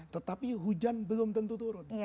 tetapi hujan belum tentu turun